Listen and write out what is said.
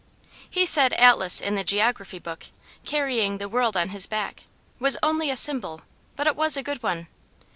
He said Atlas in the geography book, carrying the world on his back, was only a symbol, but it was a good one.